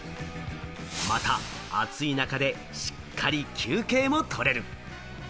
また、暑い中でしっかり休憩もとれる。